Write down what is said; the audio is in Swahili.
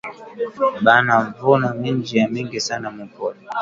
Bana vuna minji ya mingi sana mu pori